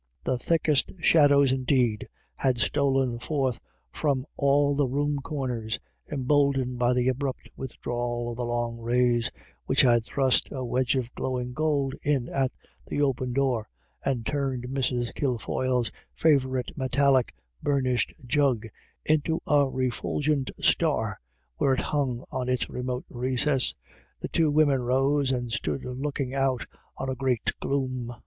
The thickest shadows, indeed, had stolen forth from all the room corners, emboldened by the abrupt withdrawal of the long rays, which had thrust a wedge of glowing gold in at the open door, and turned Mrs. Kilfoyle's favourite metallic burnished jug into a refulgent star where it hung in its remote recess. The two women rose, and stood looking out on a great gloom.